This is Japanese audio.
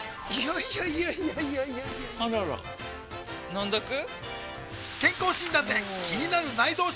いやいやいやいやあらら飲んどく？